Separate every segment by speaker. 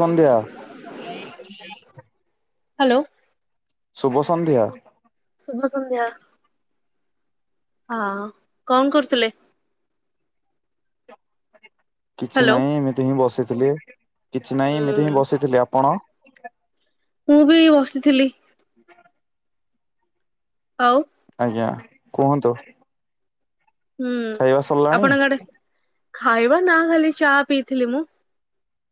Speaker 1: ସନ୍ଧ୍ୟା।
Speaker 2: Hello.
Speaker 1: ଶୁଭ ସନ୍ଧ୍ୟା।
Speaker 2: ଶୁଭ ସନ୍ଧ୍ୟା, ହଁ କଣ କରୁଥିଲେ?
Speaker 1: କିଛି
Speaker 2: ହ୍ୟାଲୋ
Speaker 1: ନାଇଁ ଏମିତି ହିଁ ବସିଥିଲି କିଛି ନାଇଁ ଏମିତି
Speaker 2: ହୁଁ
Speaker 1: ହିଁ ବସିଥିଲି, ଆପଣ?
Speaker 2: ମୁଁ ବି ଏଇ ବସିଥିଲି।
Speaker 1: ହ
Speaker 2: ଆଉ
Speaker 1: ଆଜ୍ଞା କୁହନ୍ତୁ।
Speaker 2: ହୁଁ
Speaker 1: ଖାଇବା ସରିଲାଣି?
Speaker 2: ଆପଣଙ୍କ ଆଡ଼େ ଖାଇବା ନା ଖାଲି ଚା ପିଇଥିଲି ମୁଁ।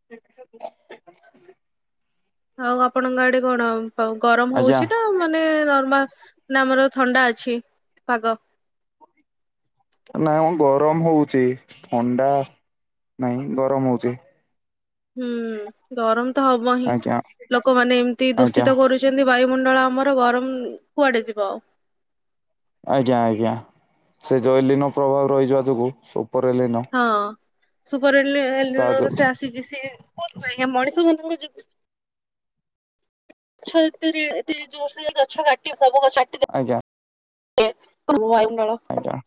Speaker 1: [unintelligible]
Speaker 2: ଆଉ ଆପଣଙ୍କ ଆଡ଼େ କଣ ଗରମ
Speaker 1: ଆଜ୍ଞା
Speaker 2: ହୋଉଚି ନା ମାନେ ନର୍ମାଲ ନା ଆମର ଥଣ୍ଡା ଅଛି ପାଗ?
Speaker 1: ନାଇଁ ମ ଗରମ ହଉଚି ଥଣ୍ଡା ନାଇଁ ଗରମ ହଉଚି।
Speaker 2: ହୁଁ ଗରମ ତ ହବ ହିଁ
Speaker 1: ଆଜ୍ଞା
Speaker 2: ଲୋକମାନେ ଏମିତି
Speaker 1: ଆଜ୍ଞା
Speaker 2: ଦୂଷିତ କରୁ ଚନ୍ତି ବାୟୁମଣ୍ଡଳ ଆମର ଗରମ କୁଆଡ଼େ ଯିବ ଆଉ।
Speaker 1: ଆଜ୍ଞା ଆଜ୍ଞା ସେ ଜୈଲିନ ପ୍ରଭାବ ରହିିଯିବା ଯୋଗୁ ଉପରେ ଲିନ
Speaker 2: ହଁ ସୁପର ଏଲି ଏଲିନୋ ର
Speaker 1: ଯୋଗୁ
Speaker 2: ସେ ଆସିଛି ସେ କୋଉଥି ପାଇଁ ଆଜ୍ଞା ମଣିଷ ମାନଙ୍କ ଯ [unintelligible]
Speaker 1: ଆଜ୍ଞା।
Speaker 2: ବାୟୁ ମଣ୍ଡଳ
Speaker 1: ଆଜ୍ଞା।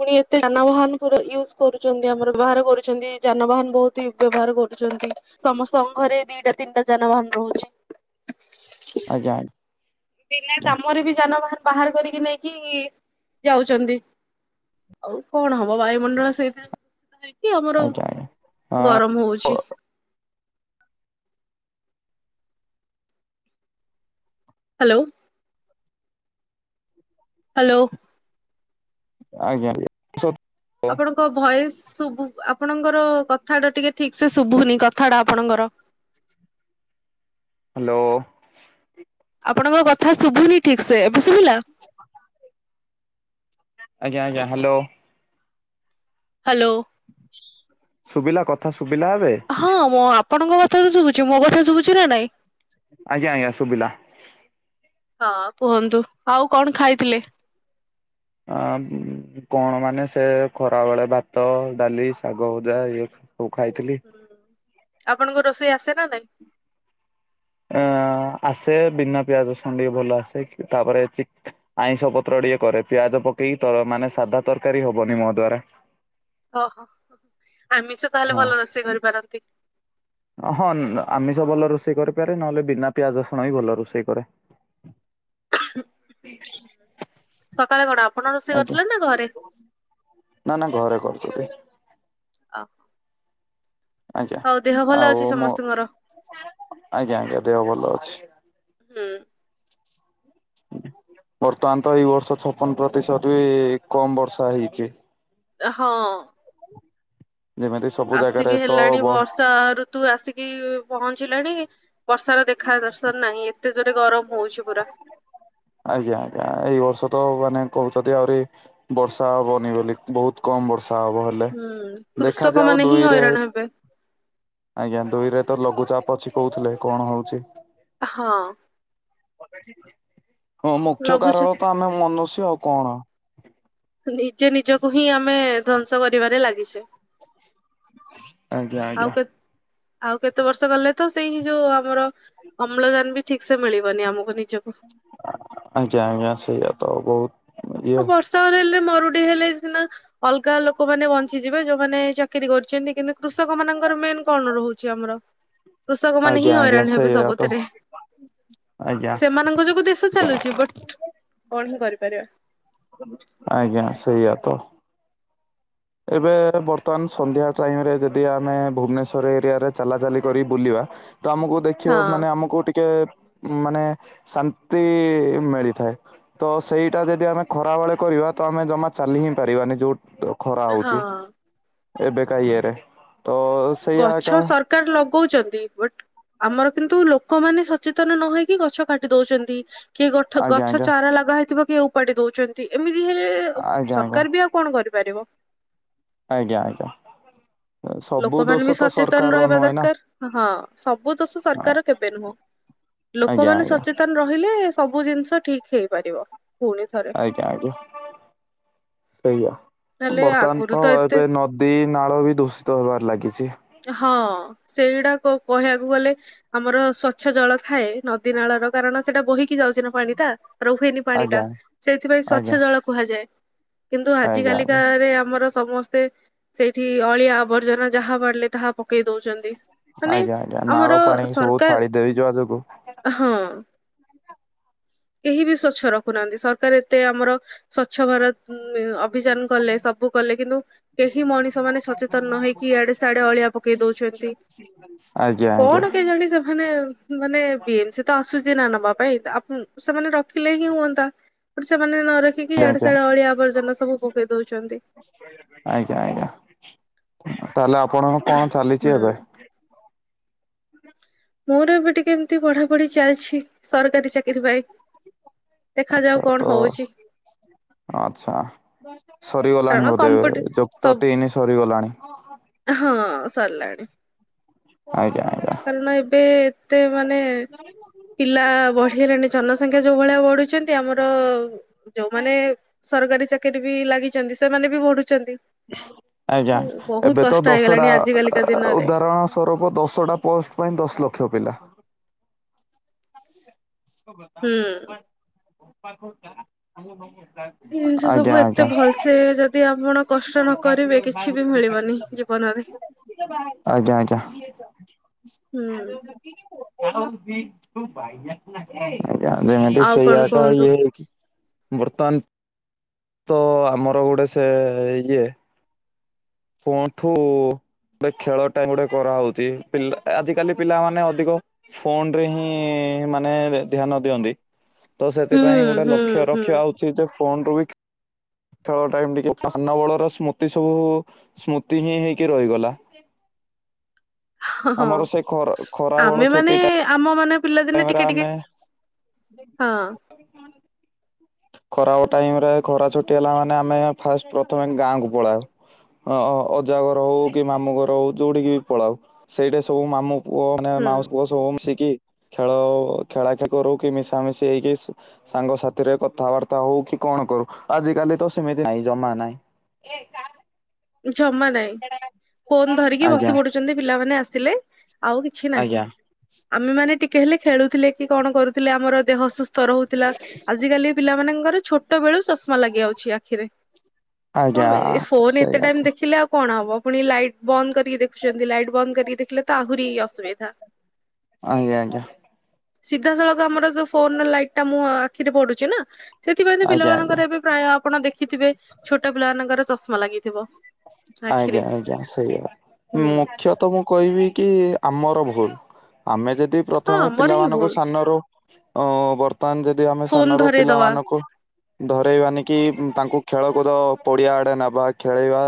Speaker 2: ପୁଣି ଏତେ ଯାନବାହାନ ପୁରା ୟୁଜ କରୁଛନ୍ତି ଆମର ବ୍ୟବହାର କରୁଛନ୍ତି ଯାନବାହାନ ବହୁତ ୟୁ ବ୍ୟବହାର କରୁଛନ୍ତି। ସମସ୍ତଙ୍କ ଘରେ ଦିଟା ତିନିଟା ଯାନବାହାନ ରହୁଚି।
Speaker 1: ଆଜ୍ଞା।
Speaker 2: ବିନା କାମରେ ବି ଯାନବାହାନ ବାହାର କରିକି ନେଇକି ଯାଉଚନ୍ତି। ଆଉ କଣ ହବ ବାୟୁମଣ୍ଡଳ ସେଇଥିରେ ହେଇକି ଆମର
Speaker 1: ଆଜ୍ଞା ଆଜ୍ଞା
Speaker 2: ଗରମ
Speaker 1: ହଁ।
Speaker 2: ହଉଚି। ହ୍ୟାଲୋ। ହ୍ୟାଲୋ।
Speaker 1: ଆଜ୍ଞା ଆଜ୍ଞା।
Speaker 2: ଆପଣଙ୍କ ଭଏସ ଶୁବୁ ଆପଣଙ୍କର କଥାଟା ଟିକେ ଠିକସେ ଶୁଭୁନି କଥାଟା ଆପଣଙ୍କର।
Speaker 1: ହ୍ୟାଲୋ।
Speaker 2: ଆପଣଙ୍କ କଥା ଶୁଭୁନି ଠିକ ସେ, ଏବେ ଶୁଭିଲା?
Speaker 1: ଆଜ୍ଞା ଆଜ୍ଞା ହ୍ୟାଲୋ।
Speaker 2: ହ୍ୟାଲୋ।
Speaker 1: ଶୁବିଲା କଥା ଶୁବିଲା ଏବେ?
Speaker 2: ହଁ ମୁଁ ଆପଣଙ୍କ କଥା ତ ଶୁଭୁଛି, ମୋ କଥା ଶୁଭୁଛି ନା ନାଇଁ?
Speaker 1: ଆଜ୍ଞା ଆଜ୍ଞା ସୁବିଲା।
Speaker 2: ହଁ କୁହନ୍ତୁ ଆଉ କଣ ଖାଇଥିଲେ?
Speaker 1: ଆ କଣ ମାନେ ସେ ଖରାବେଳେ ଭାତ, ଡ଼ାଲି, ଶାଗ ଭଜା ଇଏ ଓଉ ଖାଇଥିଲି।
Speaker 2: ଆପଣଙ୍କୁ ରୋଷେଇ ଆସେ ନା ନାଇଁ?
Speaker 1: ଅ ଆସେ ବିନା ପିଆଜ ରସୁଣ ଟିକେ ଭଲ ଆସେ ତାପରେ ଚି ଆଇଁଷ ପତ୍ର ଟିକେ କରେ ପିଆଜ ପକେଇକି ତ ମାନେ ସାଧା ତରକାରୀ ହବନି ମୋ ଦ୍ଵାରା।
Speaker 2: ଓହୋ ଆମିଷ ତାହେଲେ
Speaker 1: ହଁ।
Speaker 2: ଭଲ ରୋଷେଇ କରିପାରନ୍ତି।
Speaker 1: ହଁ ଆମିଷ ଭଲ ରୋଷେଇ କରିପାରେ ନହେଲେ ବିନା ପିଆଜ ରସୁଣ ବି ଭଲ ରୋଷେଇ କରେ। ହଠିକ
Speaker 2: ସକାଳେ କଣ ଆପଣ ରୋଷେଇ
Speaker 1: ଆଜ୍ଞା
Speaker 2: କରିଥିଲେ ନା ଘରେ?
Speaker 1: ନା ନା ଘରେ କରୁଛନ୍ତି।
Speaker 2: ହ
Speaker 1: ଆଜ୍ଞା ଆଉ ମୁଁ
Speaker 2: ସମସ୍ତଙ୍କର
Speaker 1: ଆଜ୍ଞା ଆଜ୍ଞା ଦେହ ଭଲ ଅଛି।
Speaker 2: ହୁଁ।
Speaker 1: ବର୍ତ୍ତମାନ ତ ଏଇ ବର୍ଷ ଛପନ ପ୍ରତିଶତ ବି କମ ବର୍ଷା ହେଇଛି।
Speaker 2: ହଁ।
Speaker 1: ଯେମିତି ସବୁ ଜାଗାରେ ତ ବ
Speaker 2: ଷା ଋତୁ ଆସିକି ପହଞ୍ଚିଲାଣି। ବର୍ଷାର ଦେଖା ଦର୍ଶନ ନାହିଁଲ ଏତେ ଜୋରେ ଗରମ ହଉଛି ପୁରା।
Speaker 1: ଆଜ୍ଞା ଆଜ୍ଞା। ଏଇ ବର୍ଷ ତ ମାନେ କହୁଛନ୍ତି ଆହୁରି ବର୍ଷା ହବନି ବୋଲି ବୋହୁତ କମ ବର୍ଷା ହବ ହେଲେ।
Speaker 2: ହୁଁ କୃଷକ
Speaker 1: ଦେଖାଯାଉ
Speaker 2: ମାନେ ହିଁ
Speaker 1: ଦୁଇରେ
Speaker 2: ହଇରାଣ ହେବେ
Speaker 1: ଆଜ୍ଞା। ଦୁଇରେ ତ ଲଘୁଚାପ ଅଛି କହୁଥିଲେ କଣ ହଉଛି?
Speaker 2: ହଁ।
Speaker 1: ହଁ ମୁଖ୍ୟ
Speaker 2: ଲଘୁଚାପ
Speaker 1: କାରଣ ତ ଆମେ ମନୁଷ୍ୟ ଆଉ କଣ?
Speaker 2: ନିଜେ ନିଜକୁ ହିଁ ଆମେ ଧ୍ୱଂସ କରିବାରେ ଲାଗିଛେ।
Speaker 1: ଆଜ୍ଞା
Speaker 2: ଆଉ
Speaker 1: ଆଜ୍ଞା।
Speaker 2: କେ ଆଉ କେତେ ବର୍ଷ ଗଲେ ତ ସେଇ ଯୋଉ ଆମର ଅମ୍ଳଜାନ ବି ଠିକ୍ ସେ ମିଳିବନି ଆମକୁ ନିଜକୁ।
Speaker 1: ଆଜ୍ଞା ଆଜ୍ଞା। ସେଇଆ ତ ବୋହୁତ
Speaker 2: ଆଉ ବର୍ଷା ହେଲେ ମରୁଡି ହେଲେ ସିନା ଅଲଗା ଲୋକମାନେ ବଞ୍ଚିଯିବେ ଯୋଉମାନେ ଚାକିରି କରିୁଛନ୍ତି। କିନ୍ତୁ କୃଷକ ମାନଙ୍କର ମେନ୍ କଣ ରହୁଛି ଆମର କୃଷକ ମାନେ ହିଁ
Speaker 1: ଆଜ୍ଞା ଆଜ୍ଞା
Speaker 2: ହଇରାଣ ହେବେ
Speaker 1: ସେଇଆ ତ
Speaker 2: ସବୁଥିରେ।
Speaker 1: ଆଜ୍ଞା
Speaker 2: ସେମାନଙ୍କ ଯୋଗୁ ଦେଶ ଚାଲୁଛି ବଟ କଣ ହିଁ କରିପାରିବା।
Speaker 1: ଆଜ୍ଞା ସେଇଆ ତ। ଏବେ ବର୍ତ୍ତମାନ ସନ୍ଧ୍ୟା ଟାଇମରେ ଯଦି ଆମେ ଭୁବନେଶ୍ୱର ଏରିଆରେ ଚାଲାଚାଲି କରି ବୁଲିବା? ତ ଆମକୁ ଦେଖିବ ମାନେ
Speaker 2: ହଁ
Speaker 1: ଆମକୁ ଟିକେ ମାନେ ଶାନ୍ତି ମିଳିଥାଏ। ତ ସେଇଟା ଯଦି ଆମେ ଖରାବେଳେ କରିବା ତ ଆମେ ଜମା ଚାଲି ହିଁ ପାରିବାନି। ଯୋଉଁ ଖରା ହଉଛି।
Speaker 2: ହଁ।
Speaker 1: ଏବେକା ଇଏରେ ତ ସେଇଆ ଏକା
Speaker 2: ଗଛ ସରକାର ଲଗଉଛନ୍ତି। ବଟ୍ ଆମର କିନ୍ତୁ ଲୋକମାନେ ସଚେତନ ନ ହେଇକି ଗଛ କାଟି ଦଉଛନ୍ତି। କିଏ ଗଠ
Speaker 1: ଆଜ୍ଞା
Speaker 2: ଗଛ
Speaker 1: ଆଜ୍ଞା
Speaker 2: ଚାରା ଲାଗା ହେଇଥିବ କିଏ ଉପାଡି ଦଉଛନ୍ତି। ଏମିତି ହେଲେ
Speaker 1: ଆଜ୍ଞା ଆଜ୍ଞା।
Speaker 2: ସରକାର ବି ଆଉ କଣ କରିପାରିବ?
Speaker 1: ଆଜ୍ଞା ଆଜ୍ଞା। ସବୁ ଦୋଷ
Speaker 2: ଲୋକମାନେ ବି
Speaker 1: ତ
Speaker 2: ସଚେତନ
Speaker 1: ସରକାରର
Speaker 2: ରହିବା
Speaker 1: ନୁହେଁ ନା
Speaker 2: ଦରକାର। ହଁ ସବୁ ଦୋଷ ସରକାର କେବେ ନୁହଁ।
Speaker 1: ଆଜ୍ଞା
Speaker 2: ଲୋକମାନେ
Speaker 1: ଆଜ୍ଞା
Speaker 2: ସଚେତନ ରହିଲେ ସବୁ ଜିନିଷ ଠିକ୍ ହେଇପାରିବ ପୁଣି ଥରେ
Speaker 1: [inaudible] ସେଇଆ
Speaker 2: ନହେଲେ
Speaker 1: ବର୍ତ୍ତମାନ
Speaker 2: ଆଗରୁ
Speaker 1: ତ
Speaker 2: ଏତେ
Speaker 1: ଏବେ ନଦୀ ନଦୀ ନାଳ ବି ଦୂଷିତ ହବାର ଲାଗିଛି।
Speaker 2: ହଁ ସେଇଟା କଣକହିବାକୁ ଗଲେ ଆମର ସ୍ଵଚ୍ଛ ଜଳ ଥାଏ। ନଦୀ ନାଳର କାରଣ ସେଟା ବୋହିକି ଯାଉଛି ନା ପାଣି ଟା ରୁଏନି ପାଣି ଟା
Speaker 1: ଆଜ୍ଞା।
Speaker 2: ସେଇଥିପାଇଁ ସ୍ୱଛ
Speaker 1: ଆଜ୍ଞା
Speaker 2: ଜଳ କୁହାଯାଏ। କିନ୍ତୁ ଆଜି
Speaker 1: ଆଜ୍ଞା ଆଜ୍ଞା
Speaker 2: କାଲିକରେ ଆମର ସମସ୍ତେ ସେଇଠି ଅଳିଆ ଆବର୍ଜନା ଯାହା ପାରିଲେ ତାହା ପକେଇ ଦଉଛନ୍ତି। ମାନେ
Speaker 1: ଆଜ୍ଞା ଆଜ୍ଞା
Speaker 2: ଆମର
Speaker 1: ନାଳ ପାଣି ସବୁ
Speaker 2: ସରକାର
Speaker 1: ଛାଡି ଦେଇ ଦେବା ଯୋଗୁ
Speaker 2: ହଁ କେହି ବି ସ୍ଵଚ୍ଛ ରଖୁନାହାନ୍ତି ସରକାର ଏତେ ଆମର ସ୍ଵଚ୍ଛ ଭାରତ ଅଭିଯାନ କଲେ ସବୁ କଲେ କିନ୍ତୁ କେହି ମଣିଷ ମାନେ ସଚେତନ ନ ହେଇକି ଆଡେ ସିଆଡେ ଅଳିଆ ପକେଇ ଦଉଛନ୍ତି
Speaker 1: ଆଜ୍ଞା ଆଜ୍ଞା।
Speaker 2: କଣ କେଜାଣି ସେମାନେ ମାନେ ବିଏମସି ତ ଆସୁଛି ନା ନବା ପାଇଁ ଆପ ସେମାନେ ରଖିଲେ ହିଁ ହୁଅନ୍ତା ସେମାନେ ନ ରଖି ପିକି ଇଆଡେ
Speaker 1: ଆଜ୍ଞା
Speaker 2: ସିଆଡେ ଅଳିଆ ଆବର୍ଜନା ସବୁ ପକେଇ ଦଉଛନ୍ତି।
Speaker 1: ଆଜ୍ଞା ଆଜ୍ଞା ତାହଲେ ଆପଣଙ୍କ କଣ ଚାଲିଛି
Speaker 2: ହୁଁ।
Speaker 1: ଏବେ?
Speaker 2: ମୋର ଏବେ ଟିକେ ଏମିତି ପଢା ପଢି ଚାଲିଛି ସରକାରୀ ଚାକିରି ପାଇଁ ଦେଖାଯାଉ
Speaker 1: ଆଛା
Speaker 2: କଣ
Speaker 1: ତ
Speaker 2: ହଉଛି।
Speaker 1: ଆଛା।
Speaker 2: କାରଣ
Speaker 1: ସରିଗଲାଣି ବୋଧେ
Speaker 2: କମ୍ପିଟି
Speaker 1: ଯୁକ୍ତ
Speaker 2: ସବ
Speaker 1: ତିନି ସରିଗଲାଣି?
Speaker 2: ହଁ ସରିଲାଣି।
Speaker 1: ଆଜ୍ଞା।
Speaker 2: କାରଣ ଏବେ ଏତେ ମାନେ ପିଲା ବଢିଗଲେଣି ଜନସଂଖ୍ୟା ଯୋଉ ଭଳିଆ ବଢୁଛନ୍ତି ଆମର ଯୋଉମାନେ ସରକାରୀ ଚାକିରି ବି ଲାଗିଛନ୍ତି ସେମାନେ ବି ବଢୁଛନ୍ତି।
Speaker 1: ଆଜ୍ଞା
Speaker 2: ବହୁତ
Speaker 1: ଏବେ ତ
Speaker 2: କଷ୍ଟ
Speaker 1: ଦଶଟା
Speaker 2: ହେଇଗଲାଣି ଆଜି କାଲିକା ଦିନରେ
Speaker 1: ଉଦାହରଣ ତରୋପ ଦଶଟା ପୋଷ୍ଟ ପାଇଁ ଦଶ ଲକ୍ଷ ପିଲା [unintelligible]
Speaker 2: ହୁଁ।
Speaker 1: ଆଜ୍ଞା ଆଜ୍ଞା।
Speaker 2: ସେ ଯଦି ଆପଣ କଷ୍ଟ ନ କରିବେ କିଛି ବି ମିଳିବନି ଜୀବନରେ।
Speaker 1: ଆଜ୍ଞା ଆଜ୍ଞା।
Speaker 2: ହୁଁ।
Speaker 1: [unintelligible] ଆଜ୍ଞା [unintelligible]
Speaker 2: ଆଉ କଣ
Speaker 1: ସେଇଆ ଟା
Speaker 2: କୁହନ୍ତୁ
Speaker 1: ଇଏ ହେଇକି। ବର୍ତ୍ତମାନ ତ ଆମର ଗୋଟେ ସେ ଇଏ ପୋଣ୍ଠୁ। ଏ ଖେଳ ଟା ଗୋଟେ କରାହେଉଛି ପିଲା ଆଜିକାଲି ପିଲାମାନେ ଅଧିକ ଫୋନରେ ହିଁ ମାନେ ଧ୍ୟାନ ଦିଅନ୍ତି। ତ
Speaker 2: ହୁଁ
Speaker 1: ସେଥିପାଇଁ ଗୋଟେ
Speaker 2: ହୁଁ
Speaker 1: ଲକ୍ଷ
Speaker 2: ହୁଁ
Speaker 1: ରଖିବା ଉ ଚିତେ ଫୋନ ରୁ ବି ଖେଳ ଟାଇମ ଟିକେ [unintelligible] ବେଳର ସ୍ମୃତି ସବୁ ସ୍ମୃତି ହିଁ ହେଇକି ରହିଗଲା।
Speaker 2: ହଁ ହଁ।
Speaker 1: ଆମର ସେ ଖରା ଖରା
Speaker 2: ଆମେ
Speaker 1: ବେଳ
Speaker 2: ମାନେ
Speaker 1: ଛୁଟିଟା।
Speaker 2: ଆମ ମାନେ ପିଲାଦିନେ ଟିକେ ଟିକେ ହଁ।
Speaker 1: ଖରା ଟାଇମରେ ଖରା ଛୁଟି ହେଲା ମାନେ ଆମେ ଫାଷ୍ଟ ପ୍ରଥମେ ଗାଁକୁ ପଳାଉ। ଅଜା ଘର ହଉ କି ମାମୁଁ ଘର ହଉ ଯଉଠିକି ବି ପଳାଉ ସେଇଟା ସବୁ ମାମୁଁ ପୁଅ ମାନେ
Speaker 2: ହୁଁ
Speaker 1: ମାଉସି ପୁଓସ। ସୋ ମିଶିକି ଖେଳ ଖେଳାଖେଳି କରୁ କି ମିଶାମିଶି ହେଇକି ସାଙ୍ଗସାଥିରେ କ କଥାବାର୍ତ୍ତା ହଉ କି କଣ କରୁ ଆଜି କାଲି ତ ସେମିତି ନାଇଁ ଜମା ନାହିଁ।
Speaker 2: ଜମା ନାଇଁ ଫୋନ ଧରିକି ବସି
Speaker 1: ଆଜ୍ଞା
Speaker 2: ପଢୁଛନ୍ତି ପିଲାମାନେ ଆସିଲେ। ଆଉ କିଛି ନାହିଁ
Speaker 1: ଆଜ୍ଞା
Speaker 2: ଆମେମାନେ ଟିକେ ହେଲେ ଖେଳୁଥିଲେ କି କଣ କରୁଥିଲେ ଆମର ଦେହ ଅସୁସ୍ ତ ରହୁଥିଲା ଆଜିିକାଲି ପିଲାମାନଙ୍କର ଛୋଟ ବେଳୁ ଚଷମା ଲାଗି ଯାଉଛି ଆଖିରେ। କଣ
Speaker 1: ଆଜ୍ଞା
Speaker 2: ପାଇଁ ଏ ଫୋନ ଏ
Speaker 1: ସେଇଆ ତ
Speaker 2: ଦେଖିଲେ ଆଉ କଣ ହବ ପୁଣି ଲାଇଟ୍ ବନ୍ଦ କରିକି ଦେଖୁଛନ୍ତି ଲାଇଟ୍ ବନ୍ଦ କରିକି ଦେଖିଲେ ତ ଆହୁରି ଅସୁବିଧା।
Speaker 1: ଆଜ୍ଞା ଆଜ୍ଞା।
Speaker 2: ସିଧାସଳଖ ଆମର ଯୋଉ ଫୋନ ଲାଇଟଟା ମୁଁହ ଆଖିରେ ପଡୁଛି ନା ସେଥିପାଇଁ ତ
Speaker 1: ଆଜ୍ଞା ଆଜ୍ଞା।
Speaker 2: ପିଲାମାନଙ୍କର ଏବେ ପ୍ରାୟ ଆପଣ ଦେଖିଥିବେ ଛୋଟ ପିଲାମାନଙ୍କର ଚଷମା ଲାଗିଥିବ।
Speaker 1: ଆଜ୍ଞା
Speaker 2: ଆଖିରେ
Speaker 1: ଆଜ୍ଞା ସେଇ
Speaker 2: ହୁଁ
Speaker 1: ମୁଖ୍ୟତ ମୁଁ କହିବି କି ଆମର ଭୁଲ ଆମେ ଯଦି
Speaker 2: ହଁ
Speaker 1: ପ୍ରଥମେ
Speaker 2: ଆମର ହିଁ ଭୁଲ
Speaker 1: ପିଲାମାନଙ୍କୁ ସାନରୁ ଅଁ ବର୍ତ୍ତମାନ ଯଦି ଆମେ
Speaker 2: ଫୋନ
Speaker 1: ସାନରୁ
Speaker 2: ଧରେଇଦବା
Speaker 1: ପିଲାମାନଙ୍କୁ। ଧରେଇବାନି କି ତାଙ୍କୁ ଖେଳକୁଦ ପଡିଆ ଆଡେ ନେବା ଖେଳେଇବା।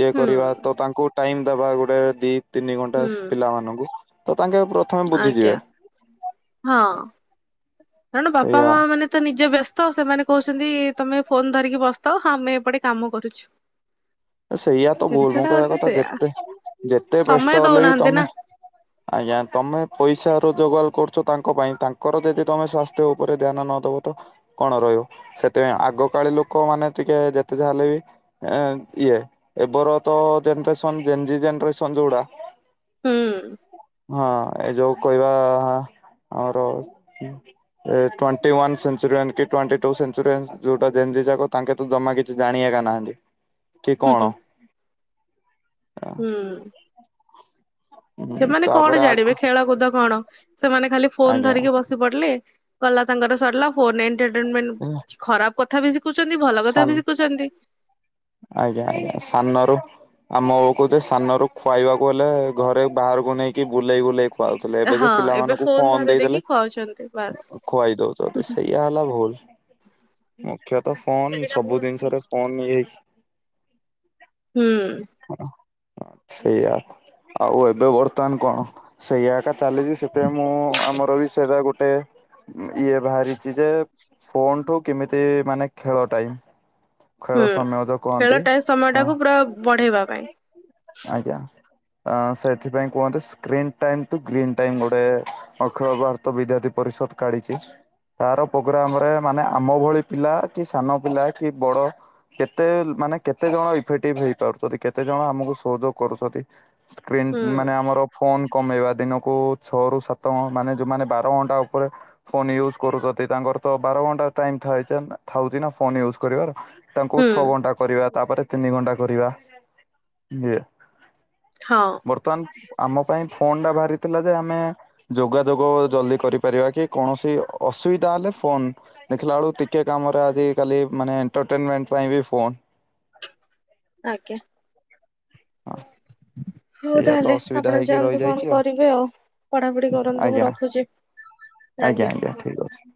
Speaker 1: ଇଏ
Speaker 2: ହୁଁ
Speaker 1: କରିବା ତ ତାଙ୍କୁ ଟାଇମ ଦବା ଗୋଟେ ଦି ତିନି ଘଣ୍ଟା
Speaker 2: ହୁଁ
Speaker 1: ପିଲାମାନଙ୍କୁ ତ ତାଙ୍କେ ପ୍ର ଥମେ
Speaker 2: ଆଜ୍ଞା
Speaker 1: ବୁଝିଯିବେ।
Speaker 2: ହଁ କାରଣ ବାପା
Speaker 1: ସେଇଆ
Speaker 2: ମା ମାନେ। ତ ନିଜେ ବ୍ୟସ୍ତ ସେମାନେ କହୁଛନ୍ତି ତମେ ଫୋନ ଧରିକି ବସିଥାଅ ହଁ ଆମେ ଏପଟେ କାମ କରୁଛୁ।
Speaker 1: ସେଇଆ ତ ଭୁଲ
Speaker 2: ଜିନିଷ
Speaker 1: ମୁଁ
Speaker 2: ଟା
Speaker 1: କହିବା
Speaker 2: ହଉଛି
Speaker 1: କଥା
Speaker 2: ସେୟା
Speaker 1: ଯେତେ ଯେତେ
Speaker 2: ସମୟ
Speaker 1: ବ୍ୟସ୍ତ ହେଲେ ବି
Speaker 2: ଦଉନାହାନ୍ତି ନା
Speaker 1: ତମେ। ଆଜ୍ଞା ତମେ ପଇସା ରୋଜଗାର କରୁଛ ତାଙ୍କ ପାଇଁ ତାଙ୍କର ଯଦି ତମେ ସ୍ଵାସ୍ଥ୍ୟ ଉପରେ ଧ୍ୟାନ ନଦବ ତ କଣ ରହିବ ସେଥିପାଇଁ ଆଗକାଳେ ଲୋକମାନେ ଟିକିଏ ମାନେ ଯେତେ ଯାହା ହେଲେ ବି ଏଁ ଇଏ ଏବେର ତ ଜେନେରେସନ ଜେନ୍ଜି ଜେନେରେସନ ଯୋଉଡା।
Speaker 2: ହୁଁ।
Speaker 1: ହଁ ଏ ଯୋଉ କହିବା ଆମର। ଏ ଟ୍ୱଣ୍ଟି ୱାନ୍ ସେଞ୍ଚୁରିଆନ୍ କି ଟ୍ୱଣ୍ଟି ଟୁ ସେଞ୍ଚୁରିଆନ ଯୋଉଟା ଜେନଞ୍ଜି ଯାକ ତାଙ୍କେ ଜମା କିଛି ଜାଣିବା କା ନାହାନ୍ତି। କି
Speaker 2: ହୁଁ
Speaker 1: କଣ
Speaker 2: ହୁଁ ହୁଁ। ସେମାନେ କଣ
Speaker 1: ତାପରେ ଆଗ
Speaker 2: ଜାଣିବେ ଖେଳକୁଦ କଣ ସେମାନେ ଖାଲି ଫୋନ
Speaker 1: ଆଜ୍ଞା
Speaker 2: ଧରିକି ବସି ପଡିଲେ। ଗଲା ତାଙ୍କର ସରିଲା ଫୋନ ଏଣ୍ଟଟେନମେଣ୍ଟ ଖରାପ କଥା ବି ଶିଖୁଛନ୍ତି ଭଲ କଥା
Speaker 1: ସାନ
Speaker 2: ବି ଶିଖୁଛନ୍ତି।
Speaker 1: ଆଜ୍ଞା ଆଜ୍ଞା ସାନରୁ ଆମ ବୁଳୁକୁ ଯେ ସାନ ରୁ ଖୁଆଇବାକୁ ଗଲେ ଘରେ ବାହାରକୁ ନେଇକି ବୁଲେଇ ବୁଲେଇ ଖୁ ଆଉଥିଲେ ଏବେ ଯେ
Speaker 2: ହଁ ଏବେ
Speaker 1: ପିଲାମାନଙ୍କୁ ଫୋନ
Speaker 2: ଧରେଇ
Speaker 1: ଦେଇଦେଲେ
Speaker 2: ଦେଇକି ଖାଉଛନ୍ତି ବାସ୍
Speaker 1: ଖୁଆଇ ଦଉଚନ୍ତି ସେଇଆ ହେଲା ଭୁଲ। ମୁଖ୍ୟତଃ ଫୋନ୍
Speaker 2: ସେଇଟା
Speaker 1: ସବୁ
Speaker 2: ଭୁଲ
Speaker 1: ଜିନିଷରେ ଫୋନ ଇଏ ହେଇକି।
Speaker 2: ହୁଁ।
Speaker 1: ସେଇଆ ଆଉ ଏବେ ବର୍ତ୍ତମାନ କଣ? ସେଇଆ ଏକା ଚାଲିଯି ସେଥିରେ ମୁଁ ଆମର ବି ସେରା ଗୋଟେ। ଇଏ ବାହାରିଚି ଯେ ଫୋନ୍ ଠୁ କେମିତି ମାନେ ଖେଳ ଟାଇମ। ଖେଳ ସମୟ ଯ
Speaker 2: ଖେଳଟା ସମୟ ଟାକୁ ପୁରା ବଢେଇବା ପାଇଁ।
Speaker 1: ଆଜ୍ଞା। ଅ ସେଥିପାଇଁ କୁହନ୍ତି screen time to green time ଗୋଟେ ଅଖିଳ ଭାରତ ବିଦ୍ୟାର୍ଥୀ ପରିଷଦ୍। କାଢିଚି ତାର ପ୍ରୋଗ୍ରାମ ରେ ମାନେ ଆମ ଭଳି ପିଲା କି ସାନ ପିଲା କି ବଡ଼। କେତେ ମାନେ କେତେ ଜଣ ଇଫେକ୍ଟିଭ ହେଇପାରୁଛନ୍ତି କେତେ ଜଣ ଆମକୁ ସହଯୋଗ କରୁଛନ୍ତି। ସ୍କ୍ରିନ୍
Speaker 2: ହୁଁ
Speaker 1: ମାନେ ଆମର। ଫୋନ କମେଇବା ଦିନକୁ ଛଅ ରୁ ସାତ ମାନେ ଯୋଉମାନେ ବାର ଘଣ୍ଟା ଉପରେ। ଫୋନ୍ ୟୁଜ୍ କରୁଛନ୍ତି ତାଙ୍କର ତ ବାର ଘଣ୍ଟା ଟାଇମ ଥାଏ ଥାଉଛି ନା ଫୋନ୍ ୟୁଜ୍ କରିବାର ତା
Speaker 2: ହୁଁ
Speaker 1: ଛଅ ଘଣ୍ଟା କରିବା ତାପରେ ତିନି ଘଣ୍ଟା କରିବା ଏ
Speaker 2: ହଁ।
Speaker 1: ବର୍ତ୍ତମାନ ଆମ ପାଇଁ ଫୋନ୍ ଟା ବାହାରିଥିଲା ଯେ ଆମେ। ଯୋଗାଯୋଗ ଜଲଦି କରିପାରିବା କି କୌଣସି ଅସୁବିଧା ହେଲେ ଫୋନ୍। ଦେଖିଲା ଅଳୁ ଟିକେ କାମରେ ଆଜିିକାଲି ମାନେ ଏଣ୍ଟରଟେନମେଣ୍ଟ ପାଇଁ ବି ଫୋନ୍
Speaker 2: ଆଜ୍ଞା।
Speaker 1: ହ।
Speaker 2: ହଉ ତାହଲେ ଆପଣ ଯାଆନ୍ତୁ କଣ କରିବେ ଆଉ ପଢ଼ାପଢ଼ି କରନ୍ତୁ ମୁଁ
Speaker 1: ଆଜ୍ଞା
Speaker 2: ରଖୁଚି।
Speaker 1: ଆଜ୍ଞା ଆଜ୍ଞା ଠିକ୍ ଅଛି।